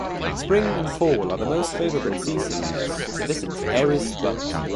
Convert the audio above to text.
Spring and fall are the most favorable seasons to visit Aires Butte.